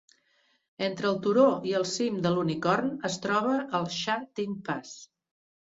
Entre el turó i el cim de l'Unicorn es troba el Sha Tin Pass.